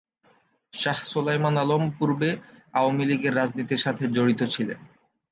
শাহ্ সোলায়মান আলম পূর্বে আওয়ামী লীগের রাজনীতির সাথে জড়িত ছিলেন।